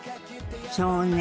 そうね。